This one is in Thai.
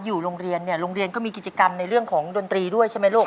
อยู่โรงเรียนเนี่ยโรงเรียนก็มีกิจกรรมในเรื่องของดนตรีด้วยใช่ไหมลูก